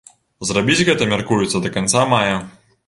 Зрабіць гэта мяркуецца да канца мая.